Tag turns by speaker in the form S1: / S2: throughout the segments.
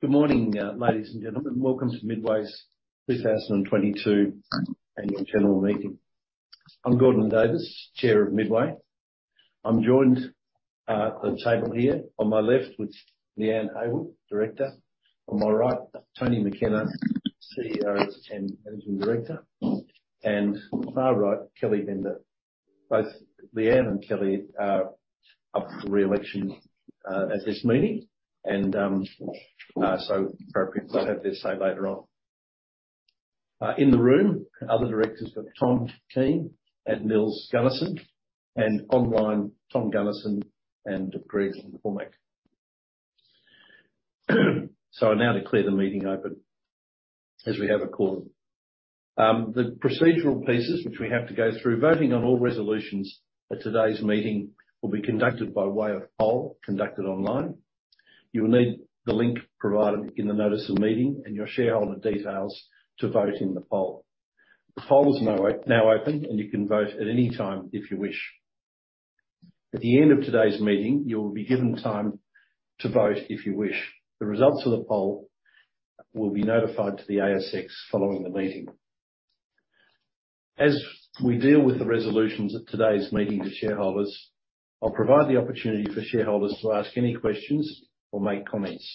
S1: Good morning, ladies and gentlemen. Welcome to Midway's 2022 annual general meeting. I'm Gordon Davis, Chair of Midway. I'm joined at the table here on my left with Leanne Heywood, Director. On my right, Tony McKenna, CEO and Managing Director. Far right, Kellie Benda. Both Leanne and Kellie are up for Re-Election at this meeting. Very briefly, they'll have their say later on. In the room, other directors are Tom Keene and Nils Gunnersen, and online, Tom Gunnersen and Greg McCormack. I now declare the meeting open as we have a quorum. The procedural pieces which we have to go through, voting on all resolutions at today's meeting will be conducted by way of poll conducted online. You will need the link provided in the notice of meeting and your shareholder details to vote in the poll. The poll is now open, and you can vote at any time if you wish. At the end of today's meeting, you will be given time to vote if you wish. The results of the poll will be notified to the ASX following the meeting. As we deal with the resolutions at today's meeting to shareholders, I'll provide the opportunity for shareholders to ask any questions or make comments.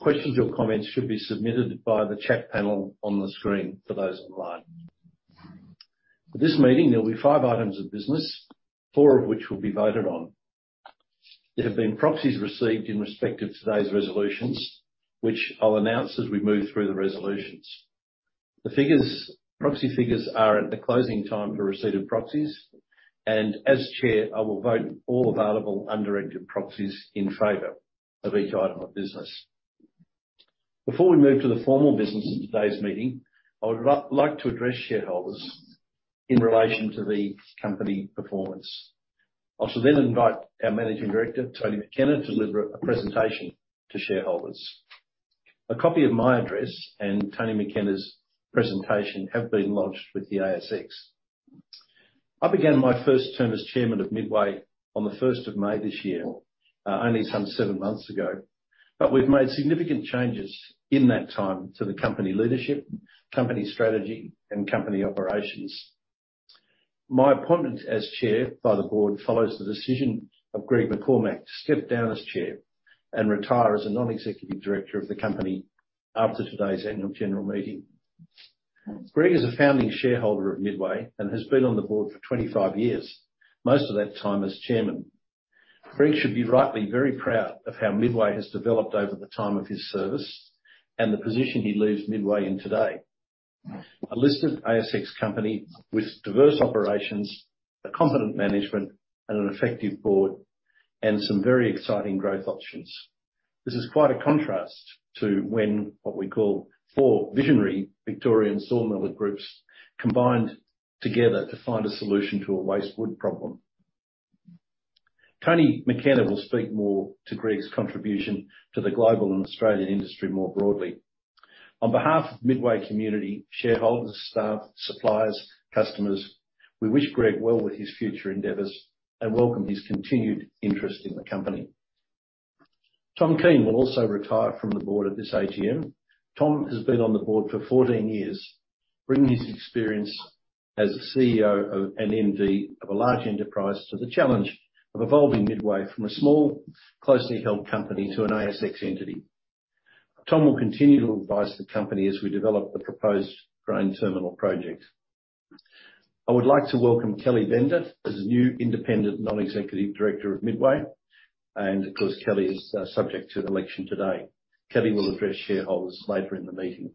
S1: Questions or comments should be submitted via the chat panel on the screen for those online. At this meeting, there will be 5 items of business, four of which will be voted on. There have been proxies received in respect of today's resolutions, which I'll announce as we move through the resolutions. The figures, proxy figures are at the closing time for receipt of proxies. As chair, I will vote all available undirected proxies in favor of each item of business. Before we move to the formal business of today's meeting, I would like to address shareholders in relation to the company performance. I shall then invite our Managing Director, Tony McKenna, to deliver a presentation to shareholders. A copy of my address and Tony McKenna's presentation have been lodged with the ASX. I began my 1st term as chairman of Midway on the 1st of May this year, only some 7 months ago. We've made significant changes in that time to the company leadership, company strategy, and company operations. My appointment as chair by the board follows the decision of Greg McCormack to step down as chair and retire as a non-executive director of the company after today's annual general meeting. Greg is a founding shareholder of Midway and has been on the board for 25 years, most of that time as chairman. Greg should be rightly very proud of how Midway has developed over the time of his service and the position he leaves Midway in today. A listed ASX company with diverse operations, a competent management, and an effective board, and some very exciting growth options. This is quite a contrast to when, what we call, 4 visionary Victorian sawmiller groups combined together to find a solution to a waste wood problem. Tony McKenna will speak more to Greg's contribution to the global and Australian industry more broadly. On be1/2 of Midway community, shareholders, staff, suppliers, customers, we wish Greg well with his future endeavors and welcome his continued interest in the company. Tom Keene will also retire from the board at this AGM. Tom has been on the board for 14 years, bringing his experience as a CEO and MD of a large enterprise to the challenge of evolving Midway from a small, closely held company to an ASX entity. Tom will continue to advise the company as we develop the proposed Grain Terminal project. I would like to welcome Kellie Benda as new independent non-executive director of Midway. Of course, Kellie is subject to the election today. Kellie will address shareholders later in the meeting.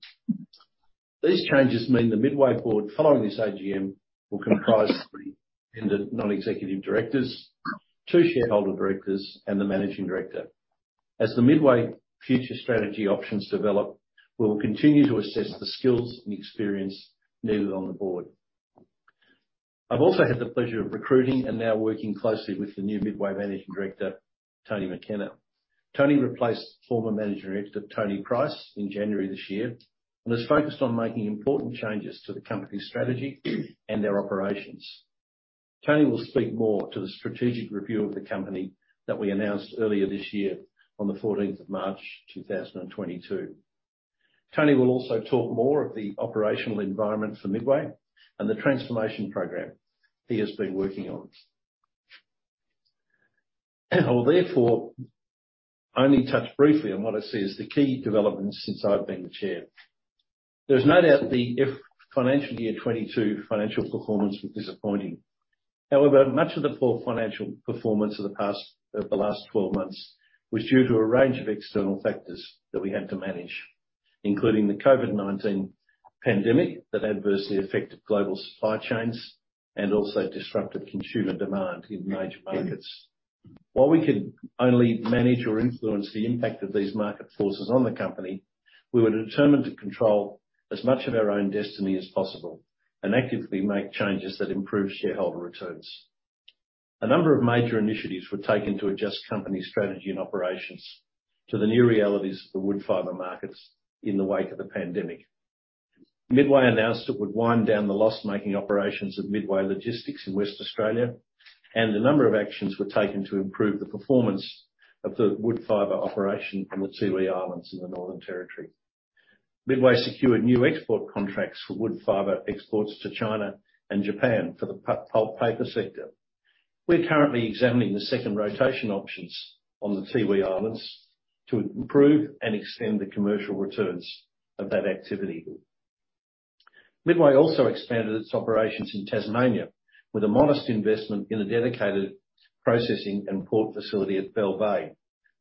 S1: These changes mean the Midway board, following this AGM, will comprise 3 independent non-executive directors, 2 shareholder directors, and the managing director. As the Midway future strategy options develop, we will continue to assess the skills and experience needed on the board. I've also had the pleasure of recruiting and now working closely with the new Midway Managing Director, Tony McKenna. Tony replaced former Managing Director, Tony Price, in January this year, and has focused on making important changes to the company's strategy and their operations. Tony will speak more to the strategic review of the company that we announced earlier this year on the fourteenth of March 2022. Tony will also talk more of the operational environment for Midway and the transformation program he has been working on. I'll therefore only touch briefly on what I see as the key developments since I've been the Chair. There's no doubt the financial year 22 financial performance was disappointing. However, much of the poor financial performance of the past, the last 12 months was due to a range of external factors that we had to manage, including the COVID-19 pandemic that adversely affected global supply chains and also disrupted consumer demand in major markets. While we could only manage or influence the impact of these market forces on the company, we were determined to control as much of our own destiny as possible and actively make changes that improve shareholder returns. A number of major initiatives were taken to adjust company strategy and operations to the new realities of the wood fiber markets in the wake of the pandemic. Midway announced it would wind down the loss-making operations of Midway Logistics in Western Australia, and a number of actions were taken to improve the performance of the wood fiber operation on the Tiwi Islands in the Northern Territory. Midway secured new export contracts for wood fiber exports to China and Japan for the pulp paper sector. We're currently examining the second rotation options on the Tiwi Islands to improve and extend the commercial returns of that activity. Midway also expanded its operations in Tasmania with a modest investment in a dedicated processing and port facility at Bell Bay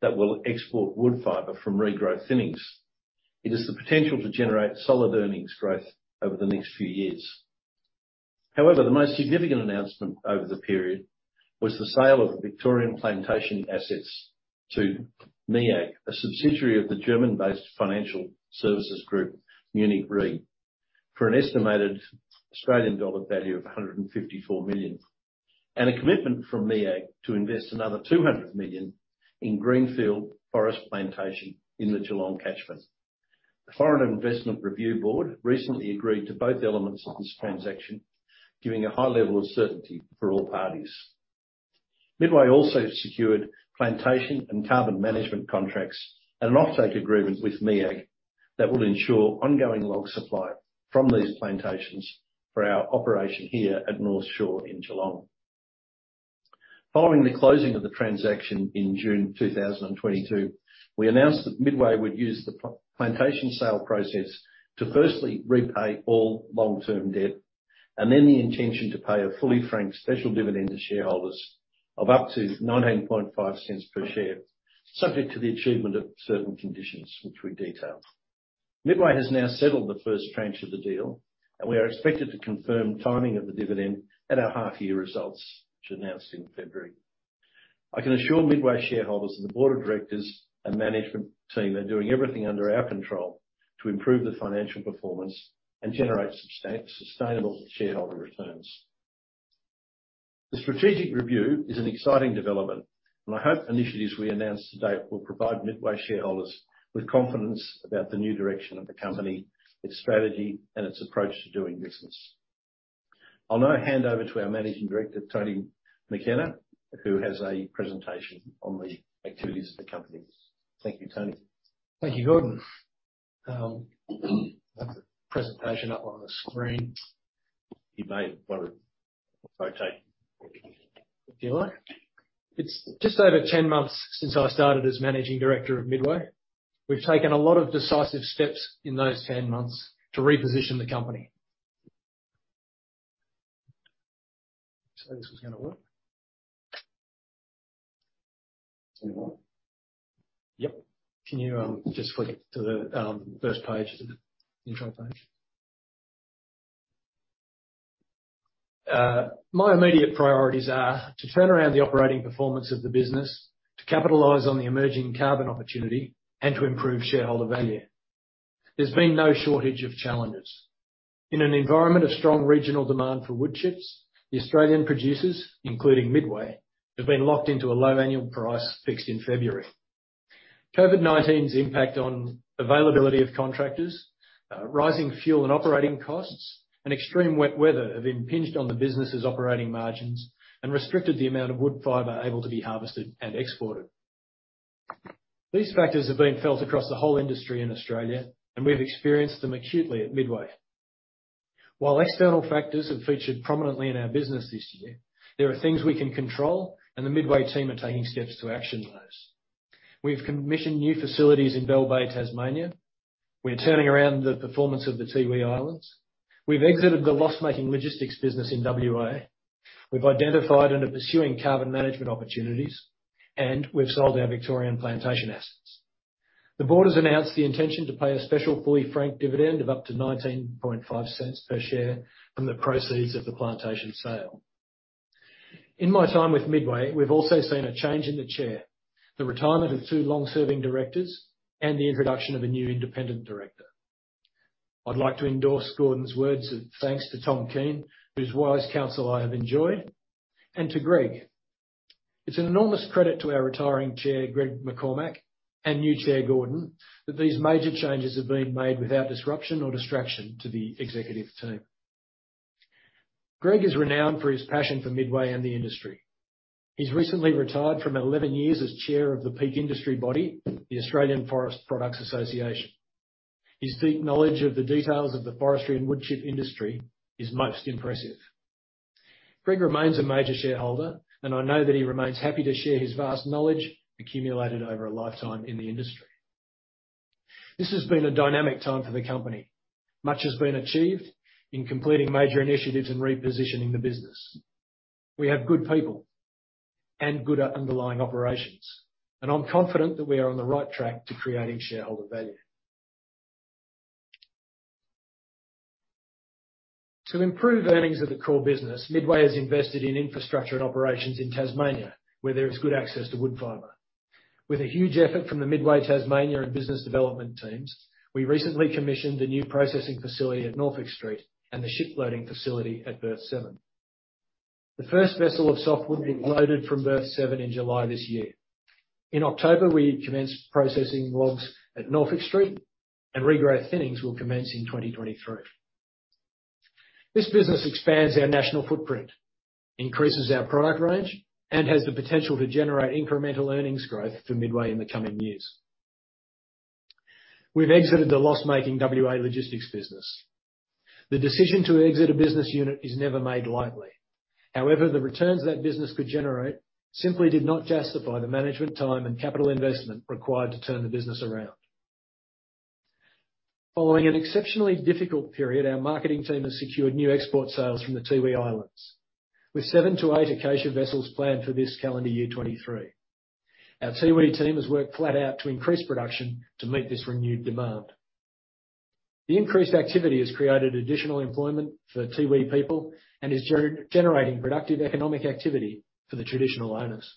S1: that will export wood fiber from regrowth thinnings. It has the potential to generate solid earnings growth over the next few years. The most significant announcement over the period was the sale of Victorian plantation assets to MEAG, a subsidiary of the German-Based financial services group, Munich Re, for an estimated Australian dollar value of 154 million, and a commitment from MEAG to invest another 200 million in greenfield forest plantation in the Geelong catchment. The Foreign Investment Review Board recently agreed to both elements of this transaction, giving a high level of certainty for all parties. Midway also secured plantation and carbon management contracts and an offset agreement with MEAG that will ensure ongoing log supply from these plantations for our operation here at North Shore in Geelong. Following the closing of the transaction in June 2022, we announced that Midway would use the plantation sale proceeds to firstly repay all Long-Term debt, and then the intention to pay a fully frank special dividend to shareholders of up to 0.195 per share, subject to the achievement of certain conditions, which we detailed. Midway has now settled the first tranche of the deal, and we are expected to confirm timing of the dividend at our 1/2-year results, to be announced in February. I can assure Midway shareholders that the board of directors and management team are doing everything under our control to improve the financial performance and generate sustainable shareholder returns. The strategic review is an exciting development, I hope initiatives we announce today will provide Midway shareholders with confidence about the new direction of the company, its strategy, and its approach to doing business. I'll now hand over to our Managing Director, Tony McKenna, who has a presentation on the activities of the company. Thank you, Tony.
S2: Thank you, Gordon. I have the presentation up on the screen.
S1: You may wanna rotate.
S2: If you like. It's just over 10 months since I started as managing director of Midway. We've taken a lot of decisive steps in those 10 months to reposition the company. Thought this was gonna work.
S1: Is it not?
S2: Yep. Can you just flick it to the first page? The intro page. My immediate priorities are to turn around the operating performance of the business, to capitalize on the emerging carbon opportunity, and to improve shareholder value. There's been no shortage of challenges. In an environment of strong regional demand for wood chips, the Australian producers, including Midway, have been locked into a low annual price fixed in February. COVID-19's impact on availability of contractors, rising fuel and operating costs, and extreme wet weather have impinged on the business's operating margins and restricted the amount of wood fiber able to be harvested and exported. These factors have been felt across the whole industry in Australia, and we've experienced them acutely at Midway. While external factors have featured prominently in our business this year, there are things we can control, and the Midway team are taking steps to action those. We've commissioned new facilities in Bell Bay, Tasmania. We're turning around the performance of the Tiwi Islands. We've exited the loss-making logistics business in WA. We've identified and are pursuing carbon management opportunities, and we've sold our Victorian plantation assets. The board has announced the intention to pay a special fully franked dividend of up to 0.195 per share from the proceeds of the plantation sale. In my time with Midway, we've also seen a change in the chair, the retirement of 2 Long-Serving directors, and the introduction of a new independent director. I'd like to endorse Gordon's words of thanks to Tom Keene, whose wise counsel I have enjoyed, and to Greg. It's an enormous credit to our retiring chair, Greg McCormack, and new chair, Gordon, that these major changes have been made without disruption or distraction to the executive team. Greg is renowned for his passion for Midway and the industry. He's recently retired from 11 years as chair of the peak industry body, the Australian Forest Products Association. His deep knowledge of the details of the forestry and wood chip industry is most impressive. Greg remains a major shareholder, and I know that he remains happy to share his vast knowledge accumulated over a lifetime in the industry. This has been a dynamic time for the company. Much has been achieved in completing major initiatives and repositioning the business. We have good people and good underlying operations, and I'm confident that we are on the right track to creating shareholder value. To improve earnings of the core business, Midway has invested in infrastructure and operations in Tasmania, where there is good access to wood fiber. With a huge effort from the Midway Tasmania and business development teams, we recently commissioned a new processing facility at Norfolk Street and the ship loading facility at Berth Seven. The first vessel of sof2od being loaded from Berth Seven in July this year. In October, we commenced processing logs at Norfolk Street, and regrowth thinnings will commence in 2023. This business expands our national footprint, increases our product range, and has the potential to generate incremental earnings growth for Midway in the coming years. We've exited the loss-making WA logistics business. The decision to exit a business unit is never made lightly. However, the returns that business could generate simply did not justify the management time and capital investment required to turn the business around. Following an exceptionally difficult period, our marketing team has secured new export sales from the Tiwi Islands, with 7-8 Acacia vessels planned for this calendar year 2023. Our Tiwi team has worked flat out to increase production to meet this renewed demand. The increased activity has created additional employment for Tiwi people and is generating productive economic activity for the traditional owners.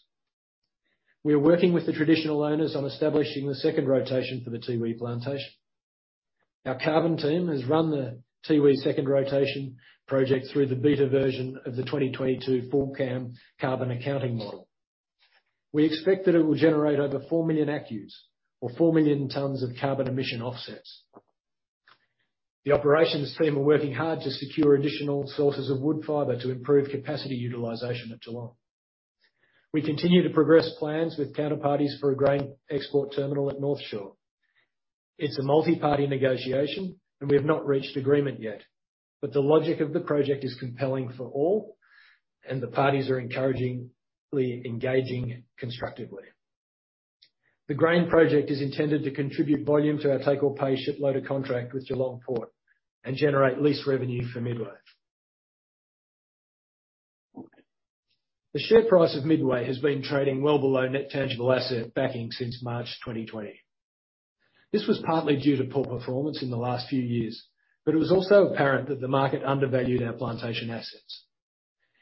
S2: We are working with the traditional owners on establishing the second rotation for the Tiwi plantation. Our carbon team has run the Tiwi second rotation project through the beta version of the 2022 FullCAM carbon accounting model. We expect that it will generate over 4 million ACCUs or 4 million tons of carbon emission offsets. The operations team are working hard to secure additional sources of wood fiber to improve capacity utilization at Geelong. We continue to progress plans with counterparties for a grain export terminal at Northshore. It's a multi-party negotiation, and we have not reached agreement yet. The logic of the project is compelling for all, and the parties are encouragingly engaging constructively. The grain project is intended to contribute volume to our take or pay ship loader contract with GeelongPort and generate lease revenue for Midway. The share price of Midway has been trading well below net tangible asset backing since March 2020. This was partly due to poor performance in the last few years, but it was also apparent that the market undervalued our plantation assets.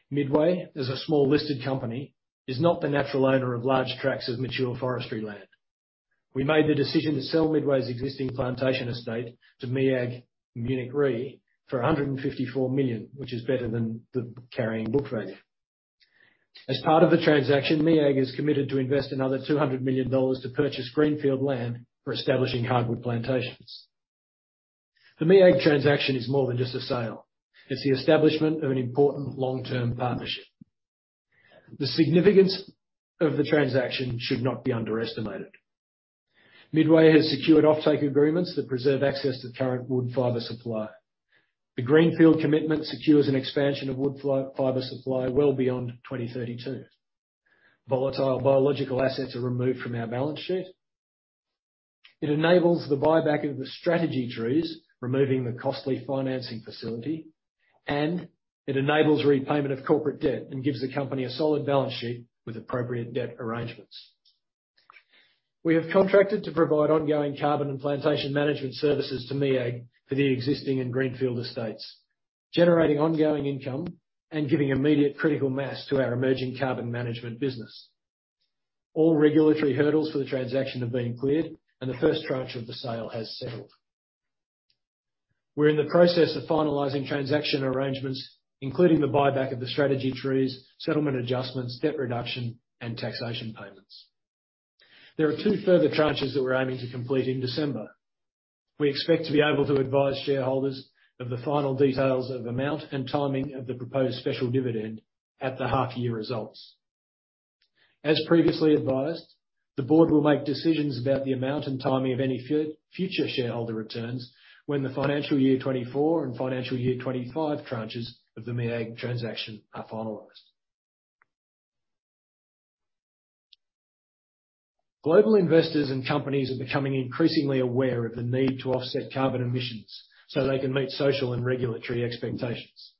S2: Midway, as a small listed company, is not the natural owner of large tracks of mature forestry land. We made the decision to sell Midway's existing plantation estate to MEAG Munich Re for 154 million, which is better than the carrying book value. As part of the transaction, MEAG has committed to invest another 200 million dollars to purchase greenfield land for establishing hardwood plantations. The MEAG transaction is more than just a sale. It's the establishment of an important long-term partnership. The significance of the transaction should not be underestimated. Midway has secured offtake agreements that preserve access to current wood fiber supply. The greenfield commitment secures an expansion of wood fiber supply well beyond 2032. Volatile biological assets are removed from our balance sheet. It enables the buyback of the strategy trees, removing the costly financing facility, and it enables repayment of corporate debt and gives the company a solid balance sheet with appropriate debt arrangements. We have contracted to provide ongoing carbon and plantation management services to MEAG for the existing and greenfield estates, generating ongoing income and giving immediate critical mass to our emerging carbon management business. All regulatory hurdles for the transaction have been cleared and the first tranche of the sale has settled. We're in the process of finalizing transaction arrangements, including the buyback of the strategy trees, settlement adjustments, debt reduction, and taxation payments. There are 2 further tranches that we're aiming to complete in December. We expect to be able to advise shareholders of the final details of amount and timing of the proposed special dividend at the 1/2-year results. As previously advised, the board will make decisions about the amount and timing of any future shareholder returns when the financial year 2024 and financial year 2025 tranches of the MEAG transaction are finalized. Global investors and companies are becoming increasingly aware of the need to offset carbon emissions so they can meet social and regulatory expectations.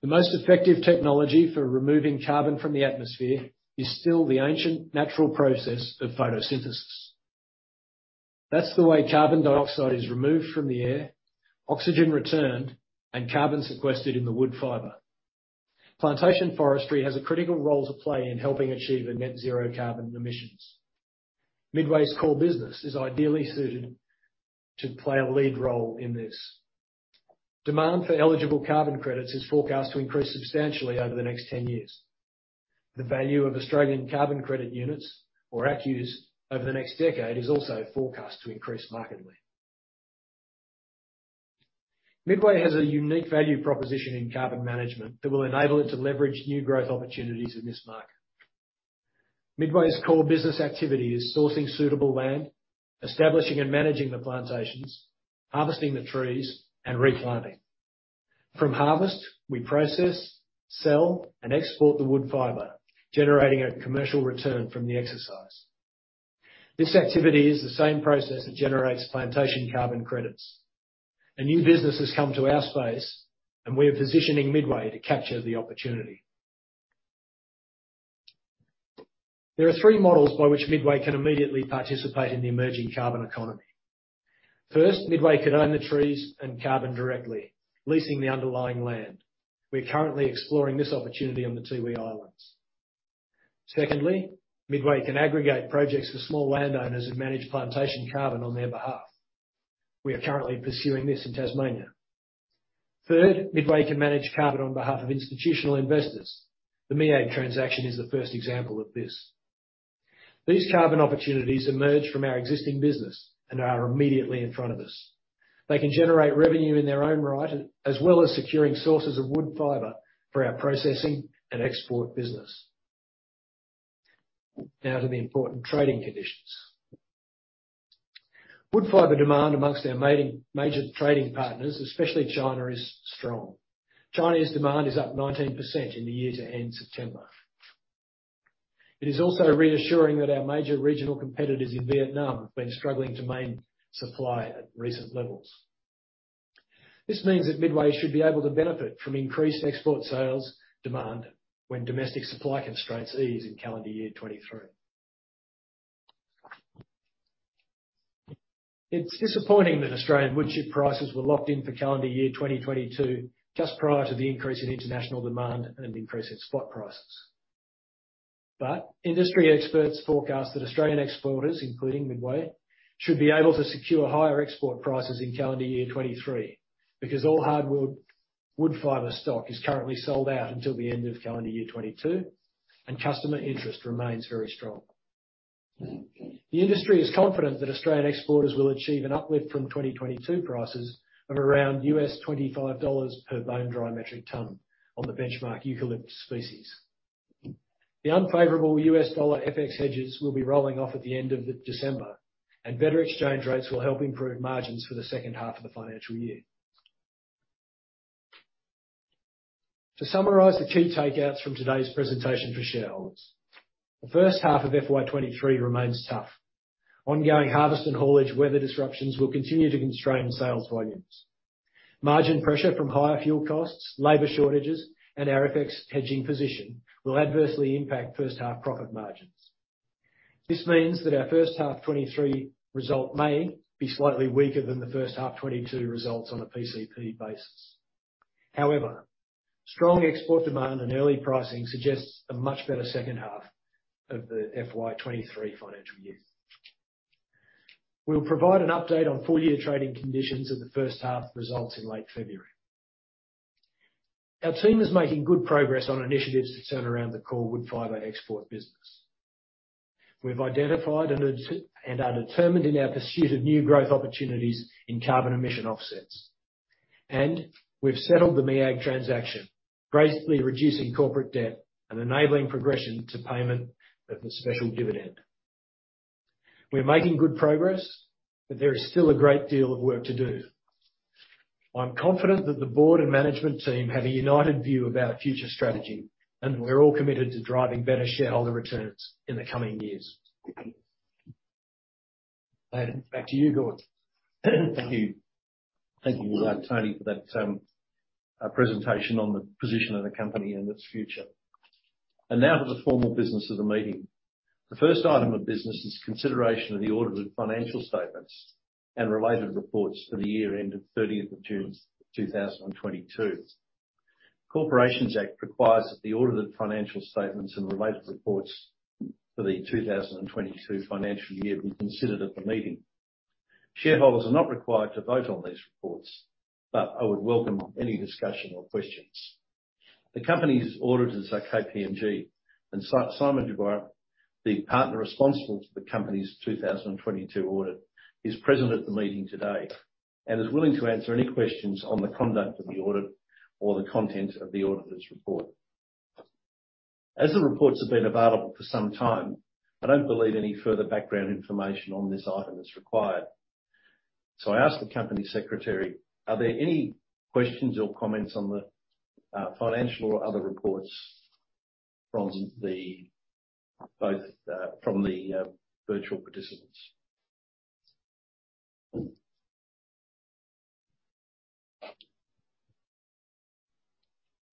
S2: The most effective technology for removing carbon from the atmosphere is still the ancient natural process of photosynthesis. That's the way carbon dioxide is removed from the air, oxygen returned, and carbon sequestered in the wood fiber. Plantation forestry has a critical role to play in helping achieve a net zero carbon emissions. Midway's core business is ideally suited to play a lead role in this. Demand for eligible carbon credits is forecast to increase substantially over the next ten years. The value of Australian Carbon Credit Units or ACCUs over the next decade is also forecast to increase markedly. Midway has a unique value proposition in carbon management that will enable it to leverage new growth opportunities in this market. Midway's core business activity is sourcing suitable land, establishing and managing the plantations, harvesting the trees, and replanting. From harvest, we process, sell, and export the wood fiber, generating a commercial return from the exercise. This activity is the same process that generates plantation carbon credits. A new business has come to our space, and we are positioning Midway to capture the opportunity. There are 3 models by which Midway can immediately participate in the emerging carbon economy. First, Midway can own the trees and carbon directly, leasing the underlying land. We are currently exploring this opportunity on the Tiwi Islands. Secondly, Midway can aggregate projects for small landowners and manage plantation carbon on their behalf. We are currently pursuing this in Tasmania. Third, Midway can manage carbon on be1/2 of institutional investors. The MEAG transaction is the first example of this. These carbon opportunities emerge from our existing business and are immediately in front of us. They can generate revenue in their own right, as well as securing sources of woodfibre for our processing and export business. Now to the important trading conditions. Woodfibre demand amongst our major trading partners, especially China, is strong. China's demand is up 19% in the year to end September. It is also reassuring that our major regional competitors in Vietnam have been struggling to main supply at recent levels. This means that Midway should be able to benefit from increased export sales demand when domestic supply constraints ease in calendar year 2023. It's disappointing that Australian wood chip prices were locked in for calendar year 2022 just prior to the increase in international demand and increase in spot prices. Industry experts forecast that Australian exporters, including Midway, should be able to secure higher export prices in calendar year 23 because all hardwood wood fiber stock is currently sold out until the end of calendar year 22, and customer interest remains very strong. The industry is confident that Australian exporters will achieve an uplift from 2022 prices of around 25 US dollars per bone-dry metric ton on the benchmark eucalyptus species. The unfavorable US dollar FX hedges will be rolling off at the end of December, and better exchange rates will help improve margins for the second 1/2 of the financial year. To summarize the key takeouts from today's presentation for shareholders. The first 1/2 of FY 23 remains tough. Ongoing harvest and haulage weather disruptions will continue to constrain sales volumes. Margin pressure from higher fuel costs, labor shortages, and our FX hedging position will adversely impact first 1/2 profit margins. This means that our first 1/2 23 result may be slightly weaker than the first 1/2 22 results on a PCP basis. Strong export demand and early pricing suggests a much better second 1/2 of the FY 23 financial year. We'll provide an update on full-year trading conditions of the first 1/2 results in late February. Our team is making good progress on initiatives to turn around the core wood fiber export business. We've identified and are determined in our pursuit of new growth opportunities in carbon emission offsets, and we've settled the MEAG transaction, drastically reducing corporate debt and enabling progression to payment of the special dividend. We're making good progress, but there is still a great deal of work to do. I'm confident that the board and management team have a united view of our future strategy, and we're all committed to driving better shareholder returns in the coming years. Back to you, Gordon.
S1: Thank you. Thank you for that, Tony, for that presentation on the position of the company and its future. Now to the formal business of the meeting. The first item of business is consideration of the audited financial statements and related reports for the year ended 30th of June 2022. Corporations Act requires that the audited financial statements and related reports for the 2022 financial year be considered at the meeting. Shareholders are not required to vote on these reports. I would welcome any discussion or questions. The company's auditors are KPMG, and Simon Dubois, the partner responsible for the company's 2022 audit, is present at the meeting today and is willing to answer any questions on the conduct of the audit or the content of the auditor's report. As the reports have been available for some time, I don't believe any further background information on this item is required. I ask the Company Secretary, are there any questions or comments on the financial or other reports from the virtual participants?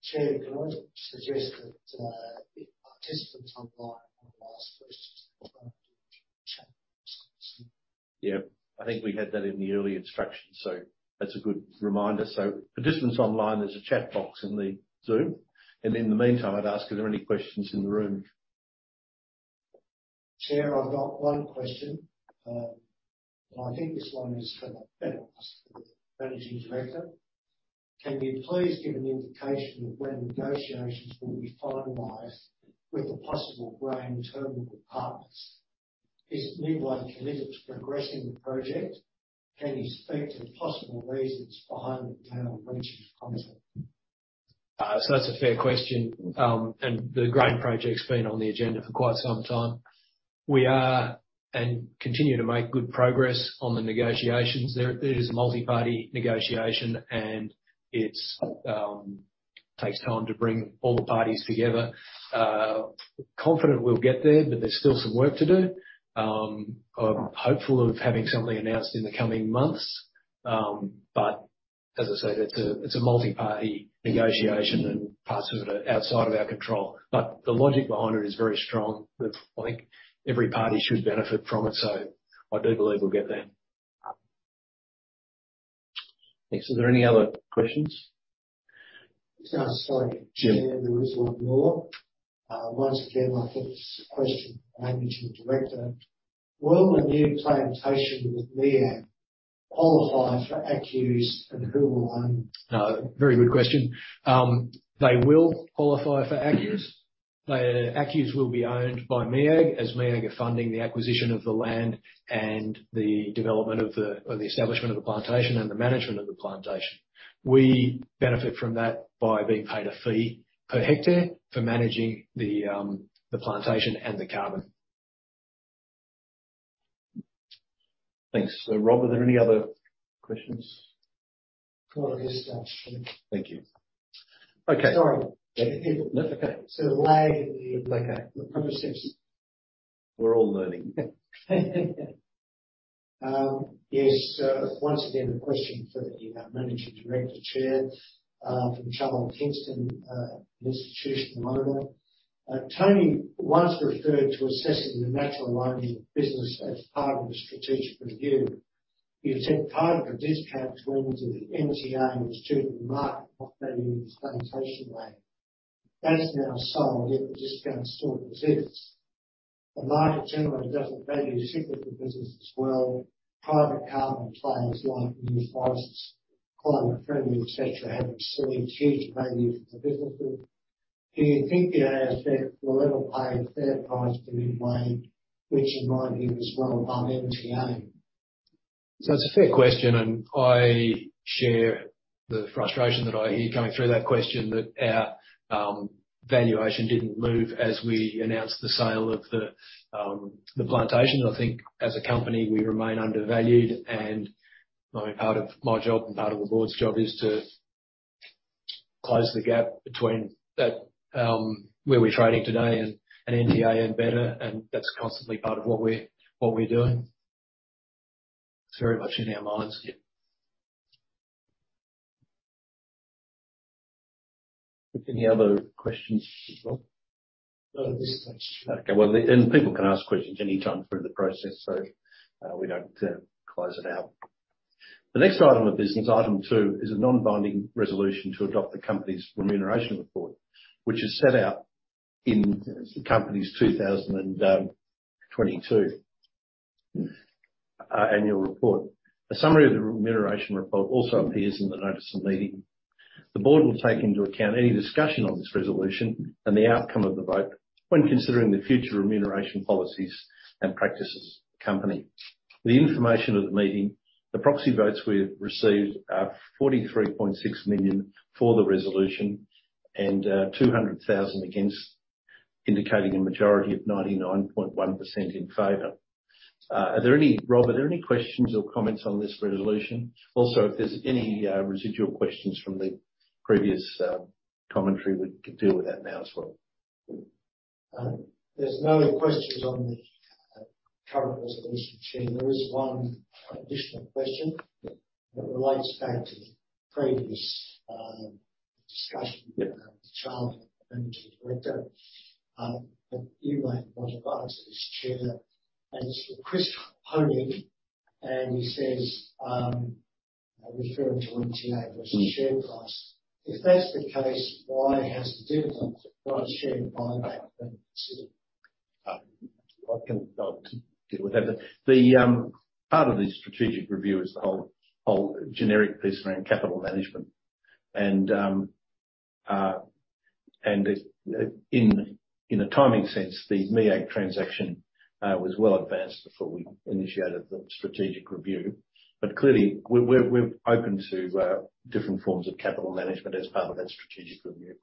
S3: Chair, can I suggest that if participants online want to ask questions, they go through the chat box function.
S1: Yeah, I think we had that in the early instructions, that's a good reminder. Participants online, there's a chat box in the Zoom. In the meantime, I'd ask, are there any questions in the room?
S3: Chair, I've got one question. I think this one is better asked for the Managing Director. Can you please give an indication of when negotiations will be finalized with the possible Grain Terminal partners? Is Midway Limited progressing the project? Can you speak to the possible reasons behind the town reaching contact?
S2: That's a fair question. The Grain Terminal's been on the agenda for quite some time. We are and continue to make good progress on the negotiations. There is Multi-Party negotiation and it's takes time to bring all the parties together. Confident we'll get there's still some work to do. I'm hopeful of having something announced in the coming months. As I said, it's a multi-party negotiation and parts of it are outside of our control. The logic behind it is very strong that I think every party should benefit from it. I do believe we'll get there.
S1: Thanks. Are there any other questions?
S3: Sorry.
S1: Sure.
S3: There is one more. Once again, I think this is a question for the Managing Director. Will the new plantation with MEAG qualify for ACCUs, and who will own them?
S2: Very good question. They will qualify for ACCUs. ACCUs will be owned by MEAG, as MEAG are funding the acquisition of the land and the establishment of the plantation and the management of the plantation. We benefit from that by being paid a fee per hectare for managing the plantation and the carbon.
S1: Thanks. Rob, are there any other questions?
S3: No, at this stage, thanks.
S1: Thank you. Okay.
S3: Sorry.
S1: No, okay.
S3: So the way the-
S1: Okay.
S3: -the process.
S1: We're all learning.
S3: Yes. Once again, a question for the managing director, Chair, from Charles Kingston, institutional owner. Tony once referred to assessing the natural mining business as part of the strategic review. You said part of the discount went into the NTA was due to the market not valuing the plantation land. That's now sold, yet the discount still exists. The market generally doesn't value significant business as well. Private carbon players like New Forests, Climate Friendly, et cetera, have seen huge value for their businesses. Do you think the ASX will ever pay a fair price for Midway, which in my view is run by NTA?
S2: It's a fair question, and I share the frustration that I hear coming through that question that our valuation didn't move as we announced the sale of the plantation. I think as a company we remain undervalued, and part of my job and part of the board's job is to close the gap between that where we're trading today and NTA and better, and that's constantly part of what we're, what we're doing. It's very much in our minds. Yeah.
S1: Any other questions as well?
S3: No, at this stage.
S1: People can ask questions any time through the process, so we don't close it out. The next item of business, item 2, is a non-binding resolution to adopt the company's remuneration report, which is set out in the company's 2022 annual report. A summary of the remuneration report also appears in the Notice of Meeting. The Board will take into account any discussion on this resolution and the outcome of the vote when considering the future remuneration policies and practices of the company. The information of the meeting, the proxy votes we have received are 43.6 million for the resolution and 200,000 against, indicating a majority of 99.1% in favor. Are there any... Rob, are there any questions or comments on this resolution? If there's any residual questions from the previous commentary, we can deal with that now as well.
S3: There's no questions on the current resolution, Chair. There is one additional question that relates back to the previous discussion with Charlie, the Managing Director, but you may want to answer this, Chair. It's from Chris Honey, and he says, referring to NTA versus share price: If that's the case, why hasn't dividends or a share buyback been considered?
S1: I'll deal with that. The part of the strategic review is the whole generic piece around capital management. It, in a timing sense, the MEAG transaction was well advanced before we initiated the strategic review, but clearly we're open to different forms of capital management as part of that strategic review.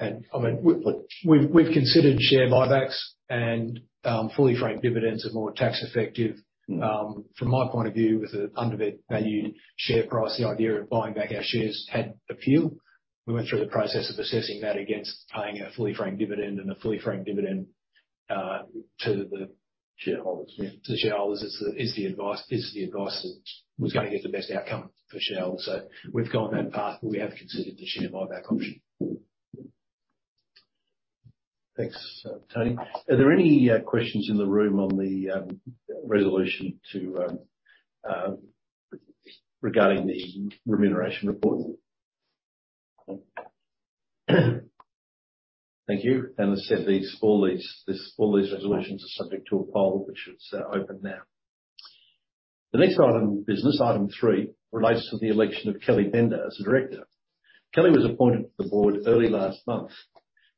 S2: I mean, we've considered share buybacks and fully franked dividends are more tax effective. From my point of view, with the undervalued share price, the idea of buying back our shares had appeal. We went through the process of assessing that against paying a fully franked dividend and a fully franked dividend to the.
S1: Shareholders. Yeah.
S2: To shareholders is the advice that was gonna get the best outcome for shareholders. We've gone that path, but we have considered the share buyback option.
S1: Thanks, Tony. Are there any questions in the room on the resolution to regarding the remuneration report? Thank you. As I said, all these resolutions are subject to a poll, which is open now. The next item of business, item 3, relates to the election of Kellie Benda as a director. Kellie was appointed to the board early last month.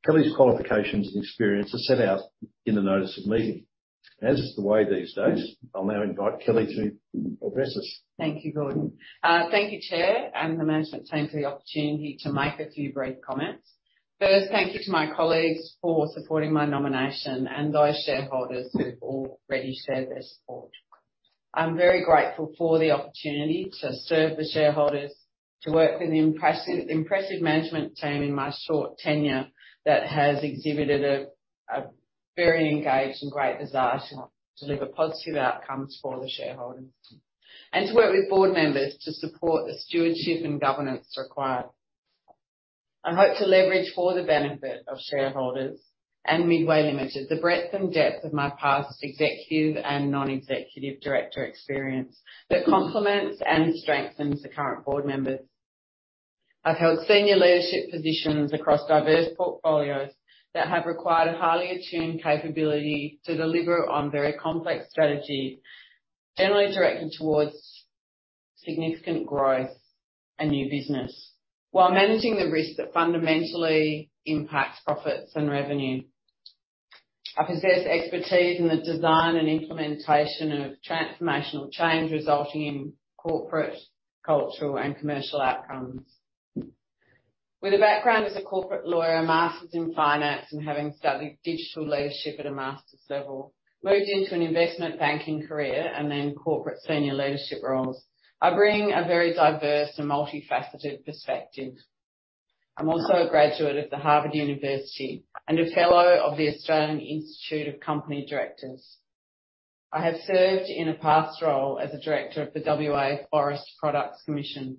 S1: Kellie's qualifications and experience are set out in the notice of meeting. As is the way these days, I'll now invite Kellie to address us.
S4: Thank you, Gordon. Thank you, Chair, and the management team for the opportunity to make a few brief comments. First, thank you to my colleagues for supporting my nomination and those shareholders who've already shared their support. I'm very grateful for the opportunity to serve the shareholders, to work with the impressive management team in my short tenure that has exhibited a very engaged and great desire to deliver positive outcomes for the shareholders. To work with board members to support the stewardship and governance required. I hope to leverage for the benefit of shareholders and Midway Limited, the breadth and depth of my past executive and non-executive director experience that complements and strengthens the current board members. I've held senior leadership positions across diverse portfolios that have required a highly attuned capability to deliver on very complex strategy, generally directed towards significant growth and new business, while managing the risk that fundamentally impacts profits and revenue. I possess expertise in the design and implementation of transformational change, resulting in corporate, cultural, and commercial outcomes. With a background as a corporate lawyer, a master's in finance, and having studied digital leadership at a master's level, moved into an investment banking career and then corporate senior leadership roles. I bring a very diverse and multifaceted perspective. I'm also a graduate of the Harvard University and a fellow of the Australian Institute of Company Directors. I have served in a past role as a director of the WA Forest Products Commission.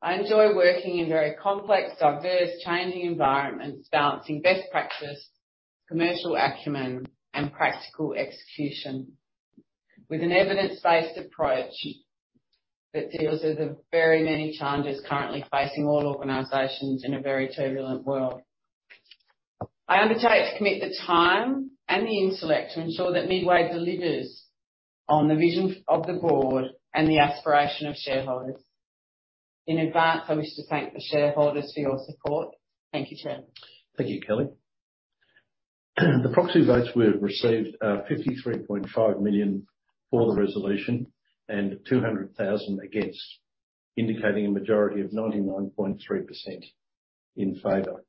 S4: I enjoy working in very complex, diverse, changing environments, balancing best practice, commercial acumen, and practical execution with an Evidence-Based approach that deals with the very many challenges currently facing all organizations in a very turbulent world. I undertake to commit the time and the intellect to ensure that Midway delivers on the vision of the board and the aspiration of shareholders. In advance, I wish to thank the shareholders for your support. Thank you, Chair.
S1: Thank you, Kelly. The proxy votes we have received are 53.5 million for the resolution and 200,000 against, indicating a majority of 99.3% in favor.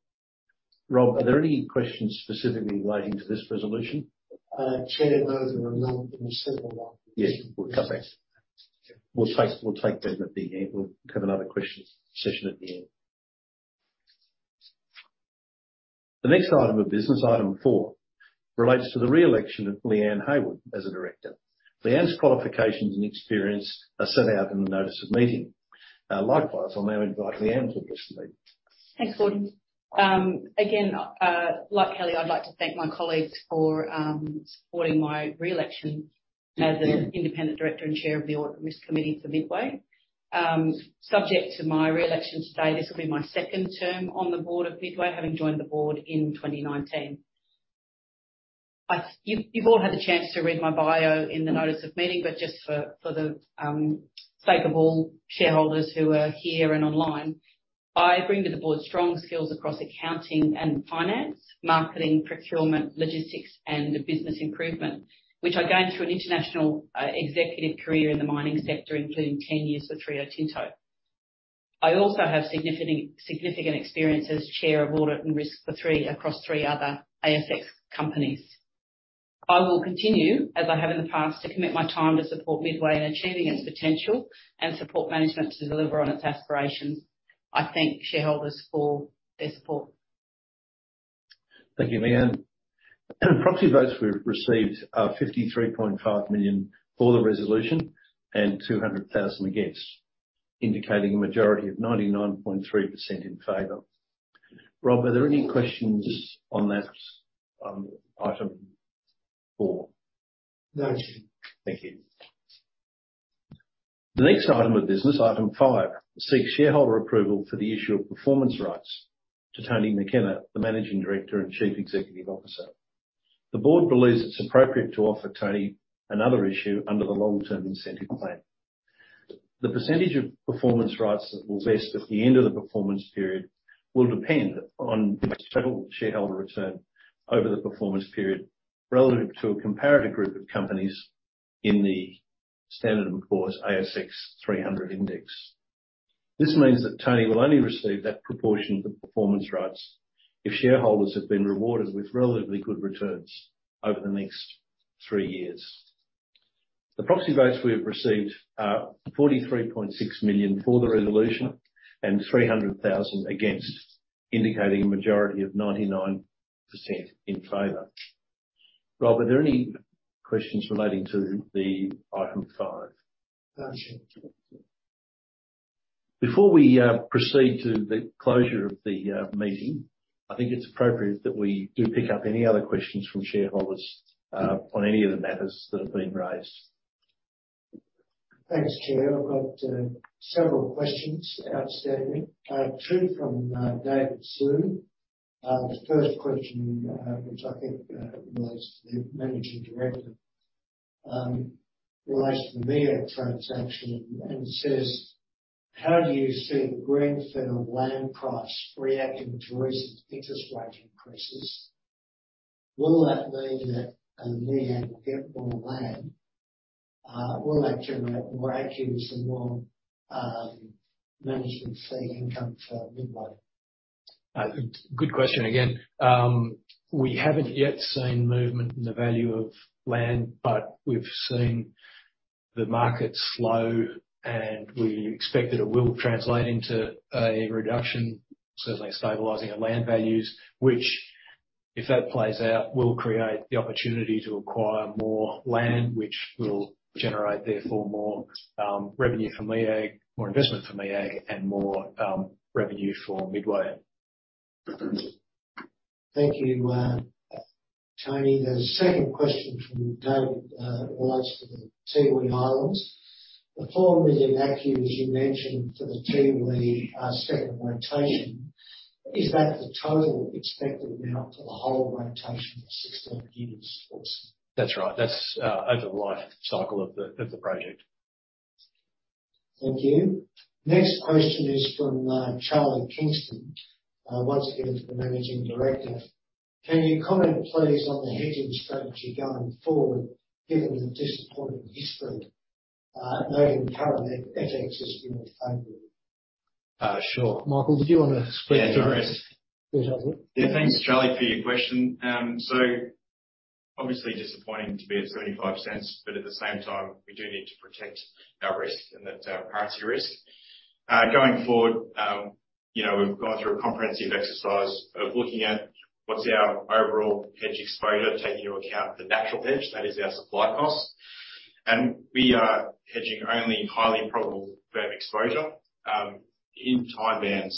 S1: Rob, are there any questions specifically relating to this resolution?
S3: Chair, those are among the several ones.
S1: Yes. We'll come back to that. We'll take them at the end. We'll have another question session at the end. The next item of business, item 4, relates to the Re-Election of Leanne Heywood as a director. Leanne's qualifications and experience are set out in the notice of meeting. Likewise, I'll now invite Leanne to address the meeting.
S4: Thanks, Gordon. Again, like Kellie, I'd like to thank my colleagues for supporting my re-election as an independent Director and Chair of the Audit and Risk Committee for Midway. Subject to my re-election today, this will be my second term on the board of Midway, having joined the board in 2019. You've all had the chance to read my bio in the notice of meeting, but just for the sake of all shareholders who are here and online. I bring to the board strong skills across accounting and finance, marketing, procurement, logistics, and business improvement, which I gained through an international executive career in the mining sector, including 10 years with Rio Tinto. I also have significant experience as Chair of Audit and Risk across 3 other ASX companies. I will continue, as I have in the past, to commit my time to support Midway in achieving its potential and support management to deliver on its aspirations. I thank shareholders for their support.
S1: Thank you, Leanne. Proxy votes we've received are 53.5 million for the resolution and 200,000 against, indicating a majority of 99.3% in favor. Rob, are there any questions on that, item four?
S3: No.
S1: Thank you. The next item of business, Item 5, seeks shareholder approval for the issue of performance rights to Tony McKenna, the Managing Director and Chief Executive Officer. The board believes it's appropriate to offer Tony another issue under the Long-Term Incentive Plan. The percentage of performance rights that will vest at the end of the performance period will depend on total shareholder return over the performance period relative to a comparative group of companies in the standard of course ASX 300 Index. This means that Tony will only receive that proportion of the performance rights if shareholders have been rewarded with relatively good returns over the next 3 years. The proxy votes we have received are 43.6 million for the resolution and 300,000 against, indicating a majority of 99% in favor. Rob, are there any questions relating to the Item 5?
S3: No, Chair.
S1: Before we proceed to the closure of the meeting, I think it's appropriate that we do pick up any other questions from shareholders on any of the matters that have been raised.
S3: Thanks, Chair. I've got several questions outstanding. Two from David Sue. The first question, which I think relates to the managing director, relates to the MEAG transaction and says, "How do you see the greenfield land price reacting to recent interest rate increases? Will that mean that MEAG will get more land? Will that generate more accruals and more management fee income for Midway?
S2: Good, good question again. We haven't yet seen movement in the value of land, but we've seen the market slow, and we expect that it will translate into a reduction, certainly a stabilizing of land values. If that plays out, we'll create the opportunity to acquire more land, which will generate, therefore, more revenue for MEAG, more investment for MEAG and more revenue for Midway.
S3: Thank you, Tony. The second question from David relates to the Tiwi Islands. The 4 million ACCU, as you mentioned for the Tiwi, second rotation, is that the total expected amount for the whole rotation of 16 years approximately?
S2: That's right. That's over the life cycle of the, of the project.
S3: Thank you. Next question is from Charlie Kingston. Once again, for the managing director. Can you comment please on the hedging strategy going forward, given the disappointing history, noting the current FX has been your favorite?
S2: Sure. Michael, did you wanna speak to that?
S5: Yeah. No worries.
S3: Go ahead.
S5: Yeah. Thanks, Charles Kingston, for your question. Obviously disappointing to be at 0.75, but at the same time, we do need to protect our risk and that's our priority risk. Going forward, you know, we've gone through a comprehensive exercise of looking at what's our overall hedge exposure, taking into account the natural hedge, that is our supply costs. We are hedging only highly probable FIRB exposure in time band.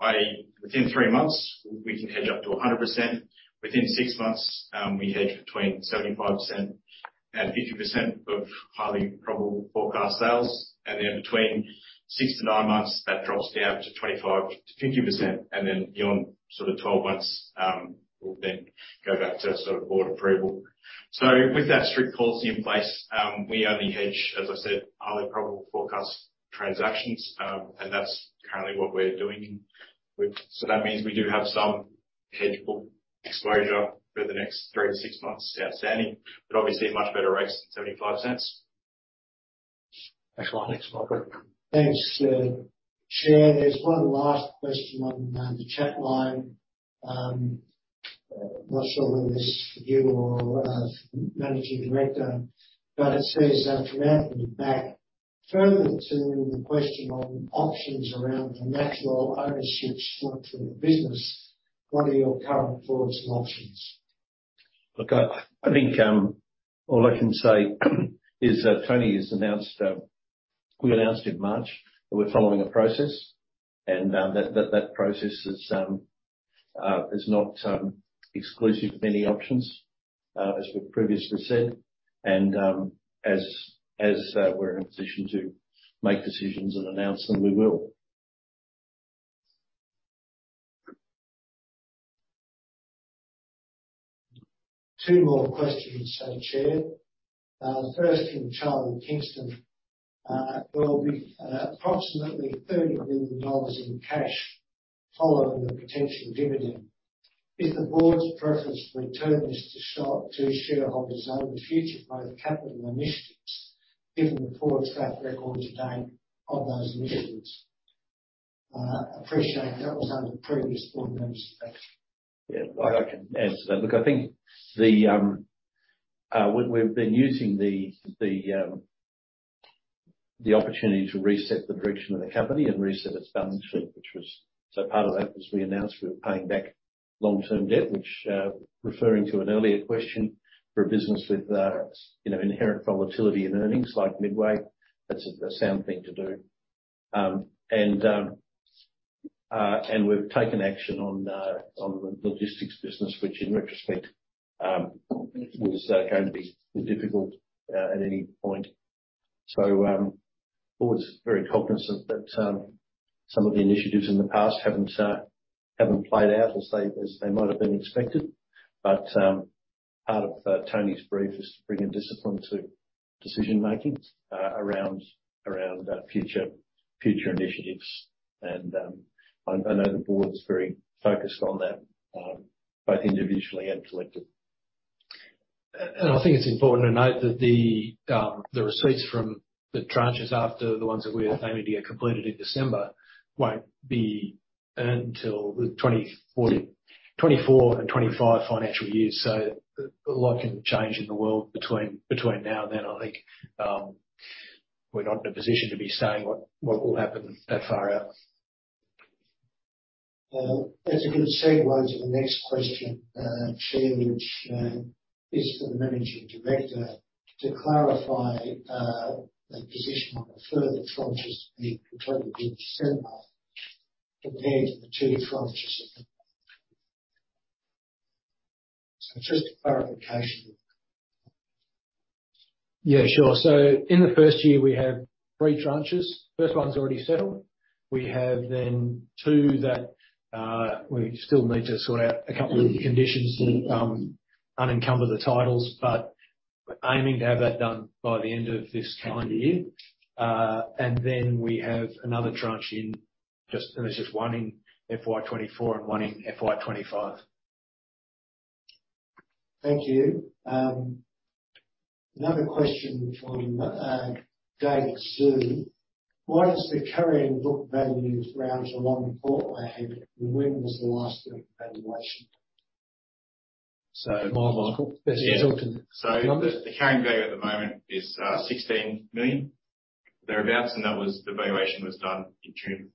S5: By within 3 months, we can hedge up to 100%. Within 6 months, we hedge between 75% and 50% of highly probable forecast sales. Between 6-9 months, that drops down to 25%-50%. Beyond sort of 12 months, we'll then go back to our sort of board approval. With that strict policy in place, we only hedge, as I said, highly probable forecast transactions. That's currently what we're doing with. That means we do have some hedge-able exposure for the next 3 to 6 months outstanding, but obviously a much better rates than 0.75.
S2: Thanks a lot. Next, Michael.
S3: Thanks, chair. There's one last question on the chat line. Not sure whether it's for you or managing director, but it says from Anthony Back: "Further to the question on options around the natural ownership structure of the business, what are your current thoughts on options?
S1: Look, I think, all I can say is that Tony has announced, we announced in March that we're following a process and, that process is not exclusive of any options, as we've previously said. As we're in a position to make decisions and announce them, we will.
S3: Two more questions, Chair. The first from Charles Kingston. There'll be approximately $30 million in cash following the potential dividend. Is the board's preference to return this to shareholders over future growth capital initiatives, given the poor track record to date on those initiatives? Appreciate that was over the previous board members. Thanks.
S1: Yeah, I can add to that. Look, I think the we've been using the opportunity to reset the direction of the company and reset its balance sheet, which was. Part of that was we announced we were paying back long-term debt, which, referring to an earlier question for a business with, you know, inherent volatility and earnings like Midway, that's a sound thing to do. And we've taken action on the logistics business, which in retrospect, was going to be difficult at any point. The board's very cognizant that some of the initiatives in the past haven't played out as they might have been expected. Part of Tony's brief is to bring a discipline to decision-making around future initiatives. I know the board is very focused on that both individually and collectively.
S2: I think it's important to note that the receipts from the tranches after the ones that we are aiming to get completed in December won't be earned till the 2024 and 2025 financial years. A lot can change in the world between now and then. I think we're not in a position to be saying what will happen that far out.
S3: That's a good segue to the next question, Chair, which is for the Managing Director. To clarify the position on the further tranches being completely been settled compared to the 2 tranches of the... Just a clarification.
S2: Yeah, sure. In the first year, we have 3 tranches. First one's already settled. We have then 2 that we still need to sort out a couple of conditions to unencumber the titles. We're aiming to have that done by the end of this calendar year. We have another tranche. There's just one in FY 2024 and one in FY 2025.
S3: Thank you. Another question from Dave Xu. Why is the carrying book value rounded along the pathway, and when was the last revaluation done? Mile Michael, best to talk to the numbers.
S1: The carrying value at the moment is, 16 million, thereabouts, and that was the valuation was done in June.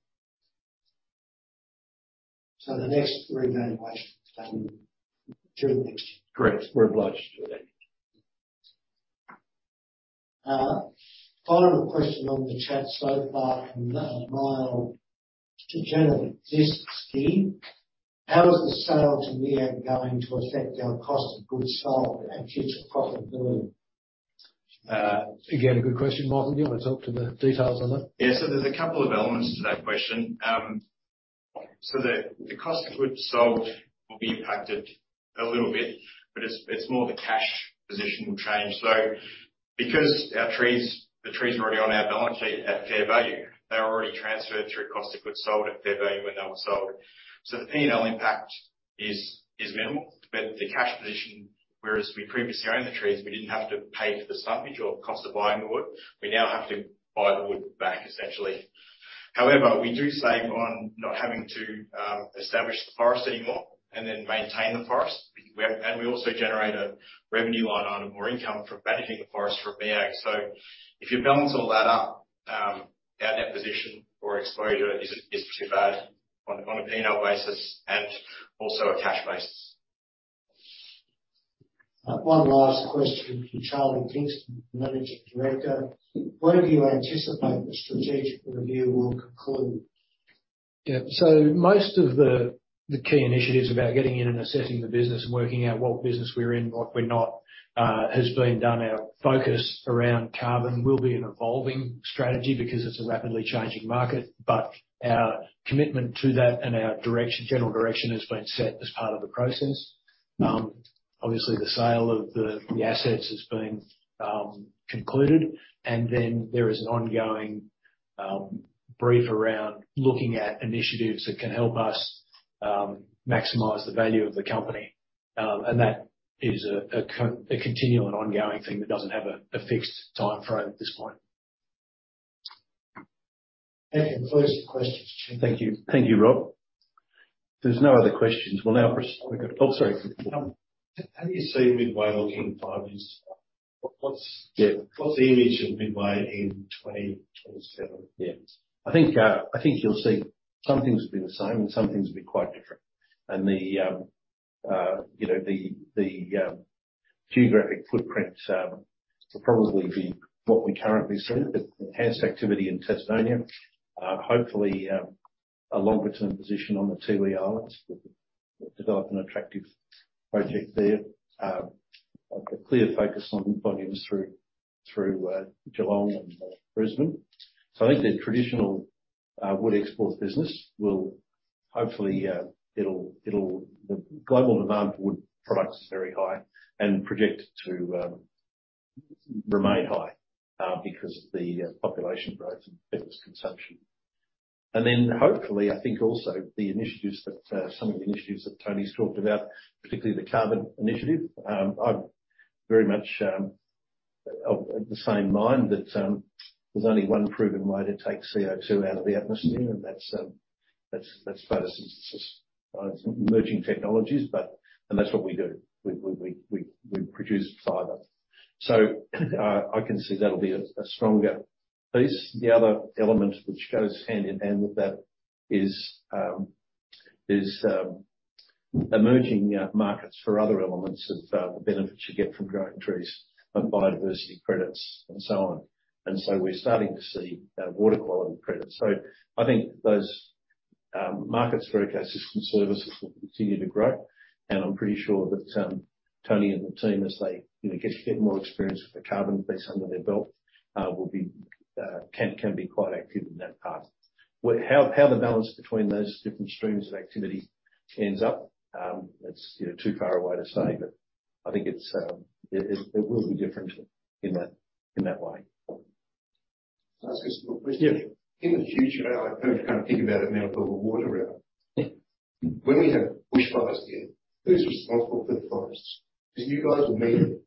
S3: The next revaluation is done during next year?
S1: Correct. We're obliged to do that, yeah.
S3: Final question on the chat so far from Mile. To generate this scheme, how is the sale to MEAG going to affect our cost of goods sold and future profitability?
S1: again, a good question, Michael. Do you wanna talk to the details on that?
S5: Yeah. There's a couple of elements to that question. The cost of goods sold will be impacted a little bit, but it's more the cash position will change. Because the trees are already on our balance sheet at fair value, they were already transferred through cost of goods sold at fair value when they were sold. The P&L impact is minimal, but the cash position, whereas we previously owned the trees, we didn't have to pay for the frontage or cost of buying the wood. We now have to buy the wood back, essentially. However, we do save on not having to establish the forest anymore and then maintain the forest. And we also generate a revenue line item or income from managing the forest from MEAG.
S3: If you balance all that up, our net position or exposure isn't too bad on a P&L basis and also a cash basis. One last question from Charlie Kingston, Managing Director. When do you anticipate the strategic review will conclude?
S1: Yeah. Most of the key initiatives about getting in and assessing the business and working out what business we're in, what we're not, has been done. Our focus around carbon will be an evolving strategy because it's a rapidly changing market, but our commitment to that and our direction, general direction has been set as part of the process. Obviously the sale of the assets has been concluded, and then there is an ongoing brief around looking at initiatives that can help us maximize the value of the company. That is a continual and ongoing thing that doesn't have a fixed timeframe at this point.
S3: Those are the questions, Chair.
S1: Thank you. Thank you, Rob. If there's no other questions, we'll now proceed. Oh, sorry.
S3: How do you see Midway looking in 5 years' time?
S1: Yeah.
S3: What's the image of Midway in 2027?
S1: Yeah. I think, I think you'll see some things will be the same and some things will be quite different. The, you know, the geographic footprint will probably be what we currently see, with enhanced activity in Tasmania. Hopefully, a longer-term position on the Tiwi Islands. We've developed an attractive project there. A clear focus on volumes through Geelong and Brisbane. I think the traditional wood exports business will hopefully... The global demand for wood products is very high and projected to remain high because of the population growth and people's consumption. Hopefully, I think also the initiatives that some of the initiatives that Tony's talked about, particularly the carbon initiative, I'm very much of the same mind that there's only one proven way to take CO2 out of the atmosphere, and that's photosynthesis. Emerging technologies, and that's what we do. We produce fiber. I can see that'll be a stronger piece. The other element which goes hand in hand with that is emerging markets for other elements of the benefits you get from growing trees, like biodiversity credits and so on. We're starting to see water quality credits. I think those markets for ecosystem services will continue to grow. I'm pretty sure that Tony and the team, as they, you know, get more experience with the carbon piece under their belt, will be, can be quite active in that part. How the balance between those different streams of activity ends up, that's, you know, too far away to say. I think it's, it will be different in that, in that way.
S6: Can I ask you a simple question?
S1: Yeah.
S6: In the future, and I kind of think about it now with all the water around.
S1: Yeah.
S6: When we have bushfires again, who's responsible for the forests? Is it you guys or MEAG?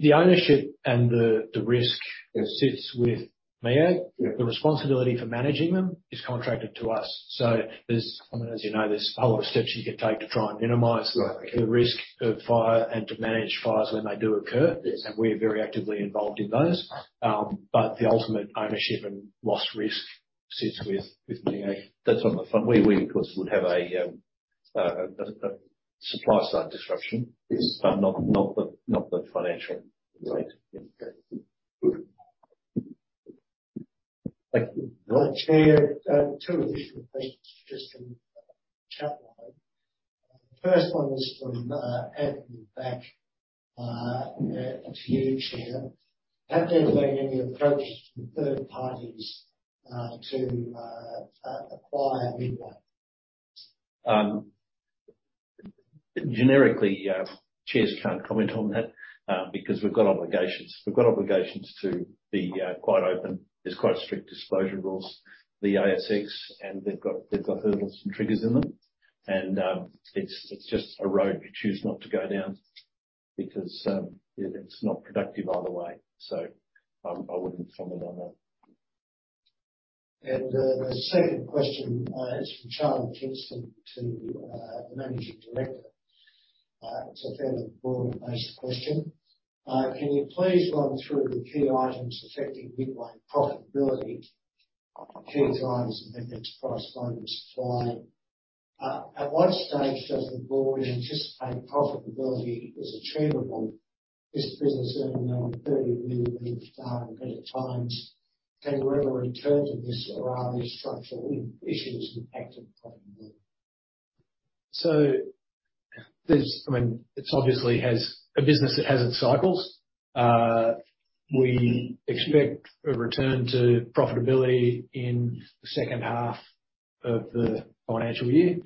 S1: The ownership and the risk.
S6: Yeah.
S1: sits with MEAG.
S6: Yeah.
S1: The responsibility for managing them is contracted to us. There's, I mean, as you know, there's a whole lot of steps you can take to try and minimize.
S6: Right.
S1: The risk of fire and to manage fires when they do occur.
S6: Yes.
S1: We're very actively involved in those. The ultimate ownership and loss risk sits with MEAG. That's on the front. We of course, would have a supply side disruption.
S6: Yes.
S1: Not the financial weight.
S6: Yeah. Okay. Good.
S3: Thank you. Rob. Chair, 2 additional questions just in the chat line. The first one is from Anthony Back, to you, Chair. Have there been any approaches from third parties to acquire Midway?
S1: Generically, chairs can't comment on that because we've got obligations. We've got obligations to be quite open. There's quite strict disclosure rules. The ASX, and they've got hurdles and triggers in them. It's just a road we choose not to go down because it's not productive either way. I wouldn't comment on that. The second question is from Charlie Kingston to the managing director. It's a fairly broad-based question. Can you please run through the key items affecting Midway profitability, key drivers of FX price volume supply? At what stage does the board anticipate profitability is achievable? This business earning AUD 30 million in better times. Can you ever return to this or are there structural issues impacting profitability?
S2: I mean, it's obviously has a business that has its cycles. We expect a return to profitability in the second 1/2 of the financial year.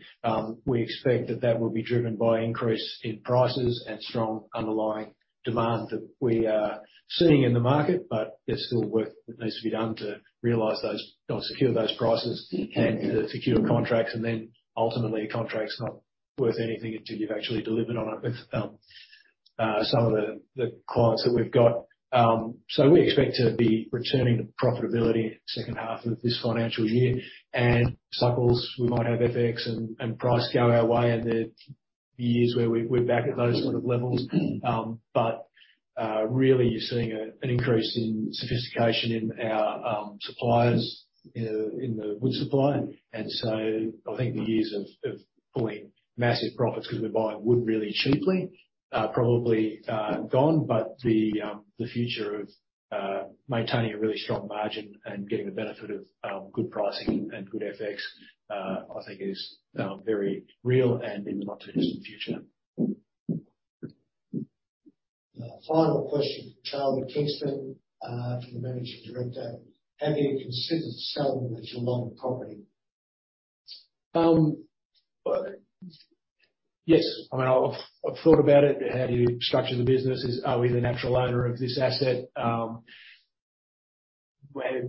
S2: We expect that that will be driven by increase in prices and strong underlying demand that we are seeing in the market. There's still work that needs to be done to realize or secure those prices and to secure contracts, and then ultimately, a contract's not worth anything until you've actually delivered on it with some of the clients that we've got. We expect to be returning to profitability in the second 1/2 of this financial year and cycles we might have FX and price go our way in the years where we're back at those sort of levels. Really you're seeing an increase in sophistication in our suppliers in the wood supply. I think the years of pulling massive profits because we're buying wood really cheaply are probably gone. The future of maintaining a really strong margin and getting the benefit of good pricing and good FX, I think is very real and in the not-too-distant future.
S1: The final question from Charlie Kingston to the Managing Director. Have you considered selling the Geelong property?
S2: Yes. I mean, I've thought about it. How do you structure the business? Are we the natural owner of this asset? We have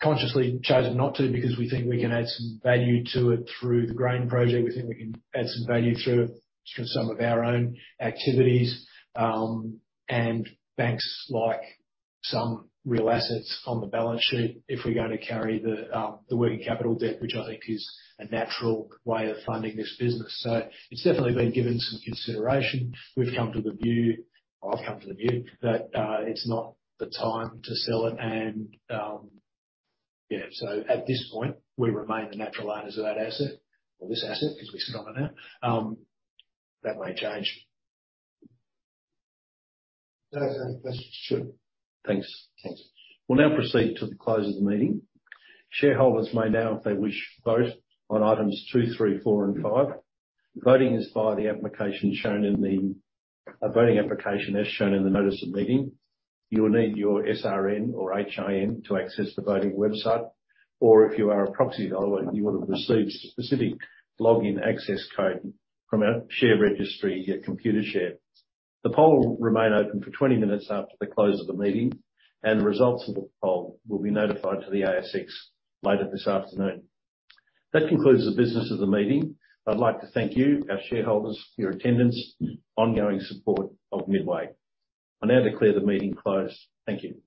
S2: consciously chosen not to because we think we can add some value to it through the grain project. We think we can add some value through it, through some of our own activities. Banks like some real assets on the balance sheet if we're going to carry the working capital debt, which I think is a natural way of funding this business. It's definitely been given some consideration. We've come to the view, or I've come to the view that it's not the time to sell it. Yeah. At this point, we remain the natural owners of that asset or this asset because we sit on it now. That may change.
S1: That's it.
S2: Sure.
S1: Thanks.
S2: Thanks.
S1: We'll now proceed to the close of the meeting. Shareholders may now if they wish vote on items 2, 3, 4 and 5. Voting is via the application shown in the voting application as shown in the notice of meeting. You will need your SRN or HIN to access the voting website, or if you are a proxy holder, you would have received specific login access code from our share registry at Computershare. The poll will remain open for 20 minutes after the close of the meeting, and results of the poll will be notified to the ASX later this afternoon. That concludes the business of the meeting. I'd like to thank you, our shareholders, for your attendance, ongoing support of Midway. I now declare the meeting closed. Thank you.